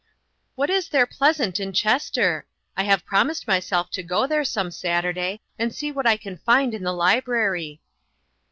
" What is there pleasant in Chester ? I have promised myself to go there some Saturday, and see what I can find in the library."